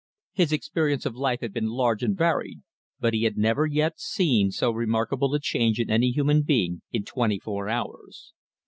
His experience of life had been large and varied, but he had never yet seen so remarkable a change in any human being in twenty four hours.